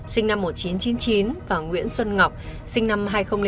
sinh năm một nghìn chín trăm chín mươi chín và nguyễn xuân ngọc sinh năm hai nghìn chín